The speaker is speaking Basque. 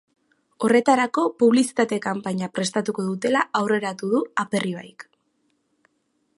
Horretarako publizitate kanpaina prestatuko dutela aurreratu du Aperribaik.